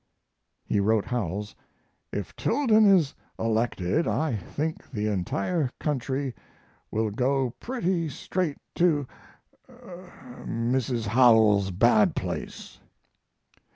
He wrote Howells: "If Tilden is elected I think the entire country will go pretty straight to Mrs. Howells's bad place."